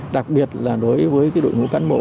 đặc biệt là đối với đội ngũ cán bộ